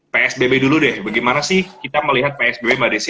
psbb dulu deh bagaimana sih kita melihat psbb mbak desi